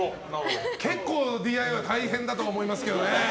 結構ＤＩＹ大変だとは思いますけどね。